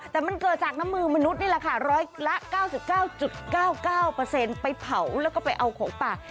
แต่มันเกิดจากน้ำมือมนุษย์นี่แหละค่ะร้อยละ๙๙๙๙๙๙ไปเผาแล้วก็ไปเอาของป่า